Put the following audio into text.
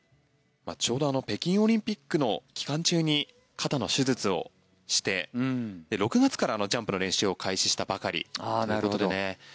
ちょうど北京オリンピックの期間中に肩の手術をして６月からジャンプの練習を開始したばかりということで。